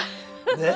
ねっ！